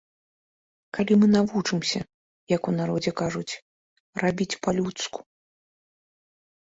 Калі мы навучымся, як у народзе кажуць, рабіць па-людску?